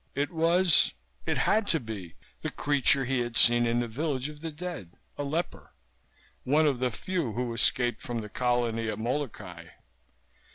It was, it had to be, the creature he had seen in the village of the dead. A leper. One of the few who escaped from the colony at Molokai.